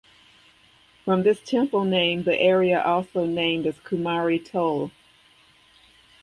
From this temple name the area also named as kumari tole.